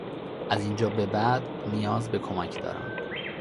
از اینجا به بعد نیاز به کمک دارم.